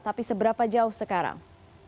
tapi seberapa jauh sekarang